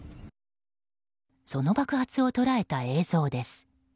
その爆発を捉えた映像です。